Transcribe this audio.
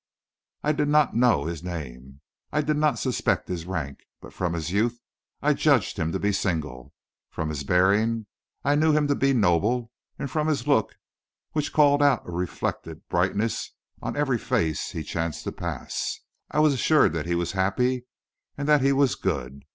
I did not know his name; I did not suspect his rank; but from his youth I judged him to be single, from his bearing I knew him to be noble, and from his look, which called out a reflected brightness on every face he chanced to pass, I was assured that he was happy and that he was good.